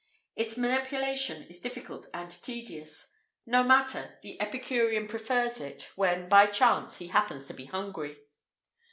Its manipulation is difficult and tedious; no matter the epicurean prefers it, when, by chance, he happens to be hungry.